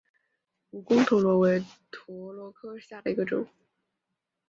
蜈蚣蛇螺为蛇螺科下的一个种。